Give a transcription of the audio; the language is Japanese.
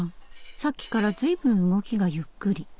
さっきから随分動きがゆっくり。